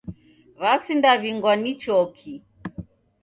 W'asindaw'ingwa ni choki.